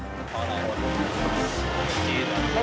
อ๋ออะไรจีนหรอ